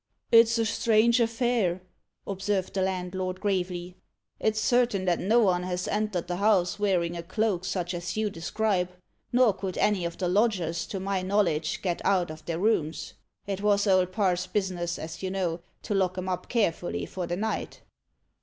"It's a strange affair," observed the landlord gravely. "It's certain that no one has entered the house wearing a cloak such as you describe; nor could any of the lodgers, to my knowledge, get out of their rooms. It was Old Parr's business, as you know, to lock 'em up carefully for the night."